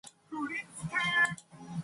His office and staff were in Berlin.